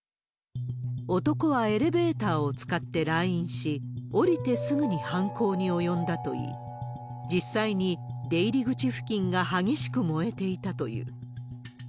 男はエレベーターを使って来院し、降りてすぐに犯行に及んだといい、実際に出入り口付近が激しく燃えていたという。